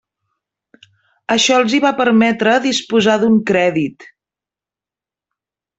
Això els hi va permetre disposar d'un crèdit.